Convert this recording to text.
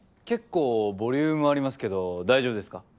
結構ボリュームありますけど大丈夫ですか？